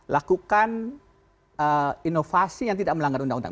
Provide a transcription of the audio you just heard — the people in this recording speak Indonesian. lakukan inovasi yang tidak melanggar undang undang